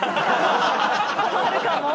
困るかも。